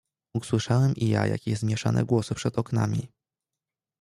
"Usłyszałem i ja jakieś zmieszane głosy przed oknami."